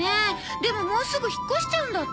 でももうすぐ引っ越しちゃうんだって。